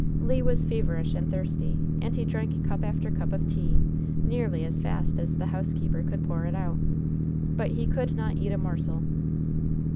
Le was feverish and thirsty, and he drank cup after cup of tea, nearly as fast as the housekeeper could pour it out. But he could not eat a morsel.